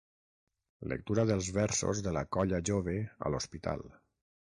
Lectura dels versos de la Colla Jove a l'Hospital.